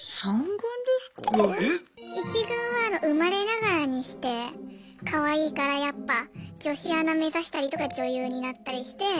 １軍は生まれながらにしてかわいいからやっぱ女子アナ目指したりとか女優になったりして。